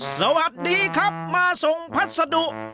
สวัสดีครับมาส่งพัสดุ